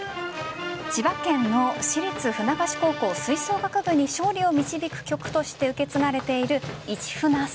千葉県の市立船橋高校吹奏楽部に勝利を運ぶ曲として受け継がれている「市船ｓｏｕｌ」